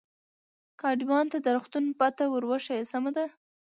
ګاډیوان ته د روغتون پته ور وښیه، سمه ده.